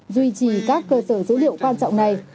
duy trì các cơ sở dữ liệu quan trọng này